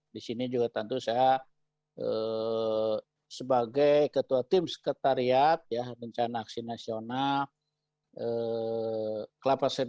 disini juga tentu saya sebagai ketua tim sekretariat ya rencana aksi nasional kelabu asid